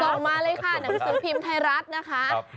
ส่งมาเลยค่ะหนังสือพิมพ์ไทยรัฐนะคะ